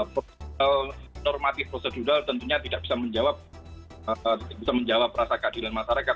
prosedural normatif prosedural tentunya tidak bisa menjawab rasa keadilan masyarakat